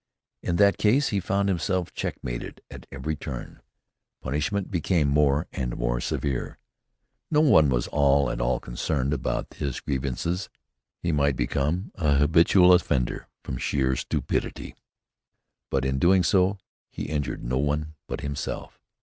In that case he found himself check mated at every turn. Punishment became more and more severe. No one was at all concerned about his grievances. He might become an habitual offender from sheer stupidity, but in doing so, he injured no one but himself.